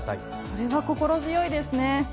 それは心強いですね。